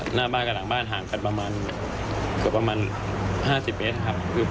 หน้าบ้านกับหลังบ้านห่างกันประมาณ๕๐เบส